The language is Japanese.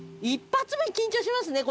一発目緊張しますね。